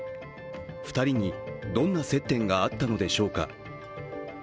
２人にどんな接点があったのでしょうか。